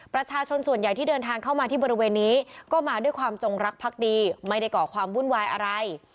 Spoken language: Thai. ประชาชนส่วนใหญ่ที่เดินทางเข้ามาที่บริเวณนี้ก็มาด้วยความจงรักพักดีไม่ได้ก่อความวุ่นวายอะไร